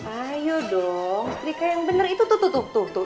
ayo dong setrika yang bener itu tuh tuh tuh